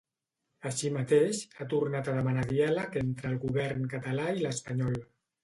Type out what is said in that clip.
Així mateix, ha tornat a demanar diàleg entre el govern català i l’espanyol.